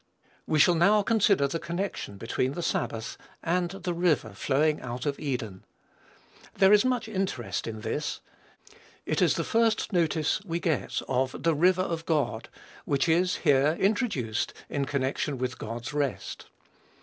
We shall now consider the connection between the sabbath, and the river flowing out of Eden. There is much interest in this. It is the first notice we get of "the river of God," which is, here, introduced in connection with God's rest.